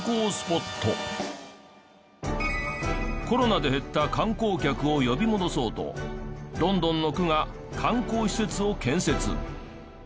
コロナで減った観光客を呼び戻そうとロンドンの区が観光施設を建設。